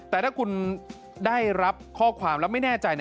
แต่ถ้าคุณได้รับข้อความแล้วไม่แน่ใจ